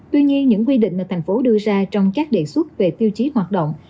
tuy nhiên những quy định mà thành phố đưa ra trong các đề xuất về tiêu chí hoạt động